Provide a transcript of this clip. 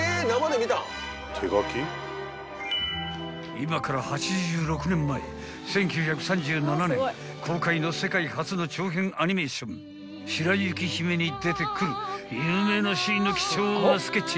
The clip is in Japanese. ［今から８６年前１９３７年公開の世界初の長編アニメーション『白雪姫』に出てくる有名なシーンの貴重なスケッチ］